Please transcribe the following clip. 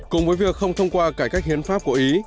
cùng với việc không thông qua cải cách hiến pháp của ý